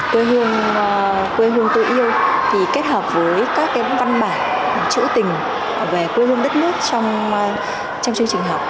quê hương quê hương tôi yêu thì kết hợp với các cái văn bản chữ tình về quê hương đất nước trong chương trình học